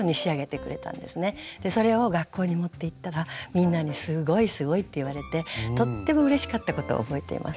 でそれを学校に持っていったらみんなに「すごいすごい」って言われてとってもうれしかったことを覚えています。